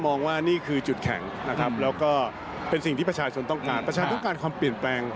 มองว่านี่คือจุดแข็งนะครับ